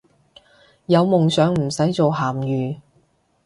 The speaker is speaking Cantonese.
有夢想唔使做鹹魚